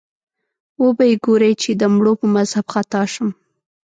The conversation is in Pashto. وبه یې ګورې چې د مړو په مذهب خطا شم